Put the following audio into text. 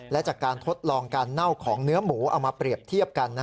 และจากการทดลองการเน่าของเนื้อหมูเอามาเปรียบเทียบกัน